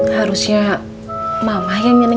harusnya mama yang nyantai